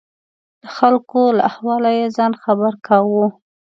د خلکو له احواله یې ځان خبر کاوه.